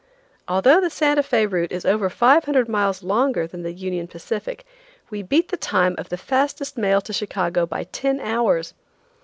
Although the Sante Fe route is over 500 miles longer than the Union Pacific, we beat the time of the fastest mail to Chicago by ten hours.